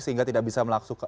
sehingga tidak bisa melaksuk